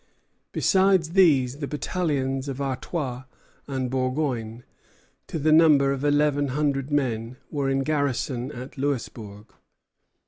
Besides these, the battalions of Artois and Bourgogne, to the number of eleven hundred men, were in garrison at Louisbourg.